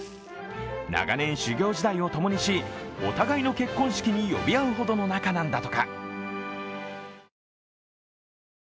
長年、修業時代をともにし、お互いの結婚式に呼び合うほどの仲なんだとか。